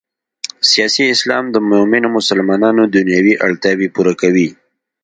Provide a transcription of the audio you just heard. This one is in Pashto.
سیاسي اسلام د مومنو مسلمانانو دنیايي اړتیاوې پوره کوي.